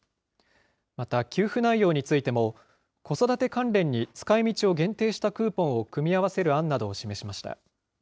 また給付内容についても、子育て関連に使いみちを限定したクーポンを組み合わせる案などを示しました。